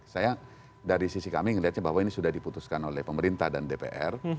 saya dari sisi kami melihatnya bahwa ini sudah diputuskan oleh pemerintah dan dpr